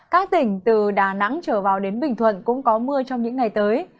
các tỉnh từ đà nẵng trở vào đến bình thuận cũng có mưa trong những ngày tới